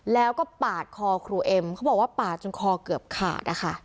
แล้วก็ปาดคอครูเอ็มเขาบอกว่าปาดจนคอเกือบขาดนะคะ